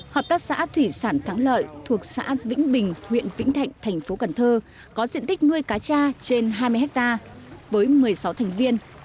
hợp tác xã thủy sản thắng lợi thuộc xã vĩnh bình huyện vĩnh thạnh thành phố cần thơ có diện tích nuôi cá cha trên hai mươi hectare với một mươi sáu thành viên